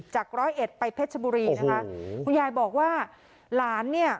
ร้อยเอ็ดไปเพชรบุรีนะคะคุณยายบอกว่าหลานเนี่ย